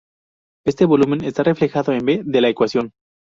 Este volumen está reflejado en b de la ecuación.